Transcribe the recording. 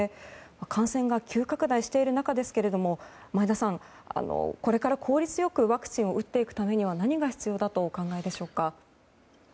感染が急拡大している中ですが前田さん、これから効率よくワクチンを打っていくためには何が必要だとお考えでしょうか。